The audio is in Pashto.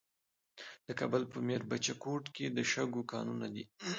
د کابل په میربچه کوټ کې د شګو کانونه دي.